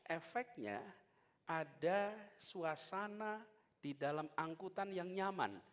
efeknya ada suasana di dalam angkutan yang nyaman